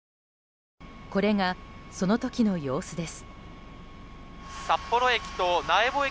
これが、その時の様子です。